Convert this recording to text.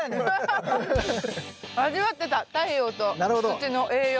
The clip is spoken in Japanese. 味わってた太陽と土の栄養を。